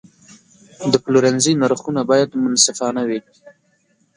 د پلورنځي نرخونه باید منصفانه وي.